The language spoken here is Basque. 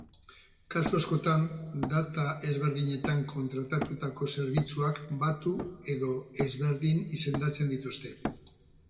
Kasu askotan, data ezberdinetan kontratatutako zerbitzuak batu edo ezberdin izendatzen dituzte.